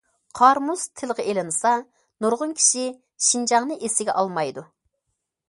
قار- مۇز تىلغا ئېلىنسا، نۇرغۇن كىشى شىنجاڭنى ئېسىگە ئالمايدۇ.